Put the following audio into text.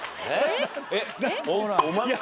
えっ。